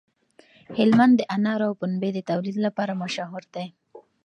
هلمند د انارو او پنبې د تولید لپاره مشهور دی.